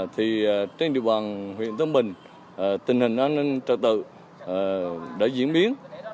thì trên địa bàn huyện tân bình tình hình an ninh trật tự đã diễn biến